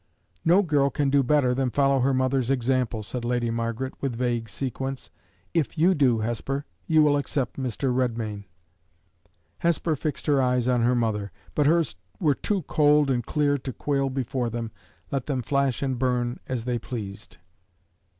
"No girl can do better than follow her mother's example," said Lady Margaret, with vague sequence. "If you do, Hesper, you will accept Mr. Redmain." Hesper fixed her eyes on her mother, but hers were too cold and clear to quail before them, let them flash and burn as they pleased.